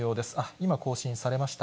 今、更新されました。